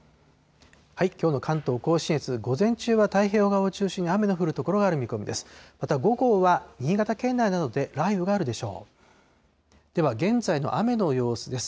きょうの関東甲信越、午前中は太平洋側を中心に雨の降る所がある見込みです。